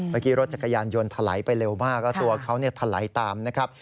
เมื่อกี้รถจักรยานยนต์ทะไหลไปเร็วมากแล้วตัวเขาเนี่ยทะไหลตามนะครับ